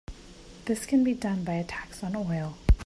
This can be done by a tax on oil.